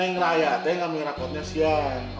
jadi neng raya neng ambil rapotnya siang